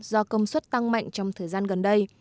do công suất tăng mạnh trong thời gian gần đây